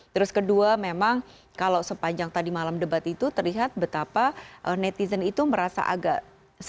terus kedua memang kalau sepanjang tadi malam debat itu terlihat betapa netizen itu merasa agak sedikit